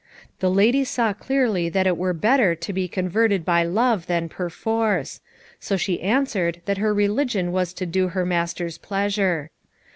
The lady saw clearly that it were better to be converted by love than perforce; so she answered that her religion was to do her master's pleasure.